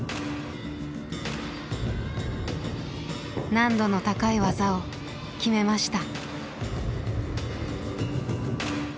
難度の高い技を決めました。